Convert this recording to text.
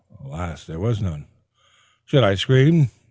Alas, there was none! Should I scream?